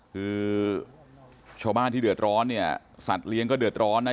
คือชาวบ้านที่เดือดร้อนเนี่ยสัตว์เลี้ยงก็เดือดร้อนนะ